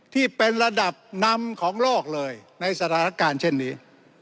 ที่เป็นระดับนำของโลกเลยในสถานการณ์เช่นนี้